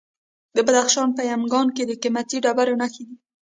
د بدخشان په یمګان کې د قیمتي ډبرو نښې دي.